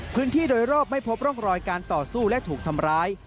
พื้นที่โดยรอบไม่พบร่องรอยการต่อสู้และถูกทำร้าย